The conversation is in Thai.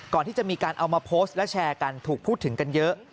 ก่อนที่จะมีการเอามาโพสต์และแชร์กันถูกพูดถึงกันเยอะ